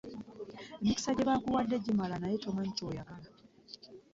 Emikisa gye bakuwadde gimala naye tomanyi ky'oyagala.